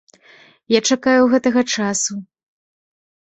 Я чакаю гэтага часу.